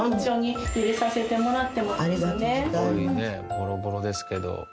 ボロボロですけど。